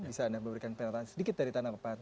bisa anda memberikan perhatian sedikit dari tanah lepas